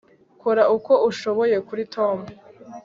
kora uko ushoboye kuri tom